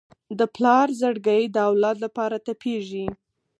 د پلار زړګی د اولاد لپاره تپېږي.